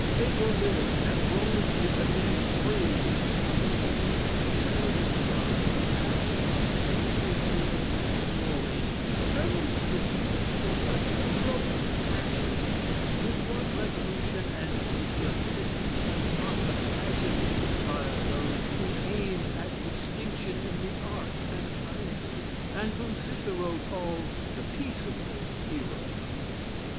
Cato lives, and Rome is again free.' If the generous pride, the passion of patriotism and glory, determine citizens to such heroic actions, with what resolution and intrepidity do not the passions inspire those who aim at distinction in the arts and sciences, and whom Cicero calls the peaceable heroes?